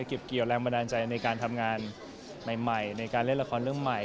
เก็บเกี่ยวแรงบันดาลใจในการทำงานใหม่ในการเล่นละครเรื่องใหม่